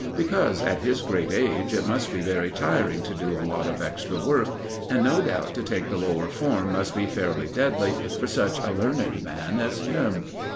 Because, at his great age, it must be very tiring to do a lot of extra work; and no doubt to take the Lower Third must be fairly deadly for such a learned man as him."